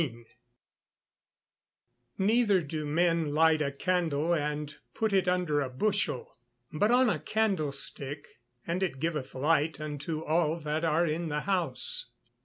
_ [Verse: "Neither do men light a candle, and put it under a bushel, but on a candlestick; and it giveth light unto all that are in the house."